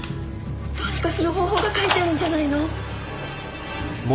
どうにかする方法が書いてあるんじゃないの？